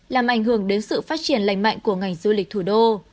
làm ảnh hưởng đến sự phát triển lành mạnh của ngành du lịch thủ đô